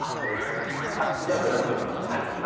はいじゃあ蔵の方行きましょうか。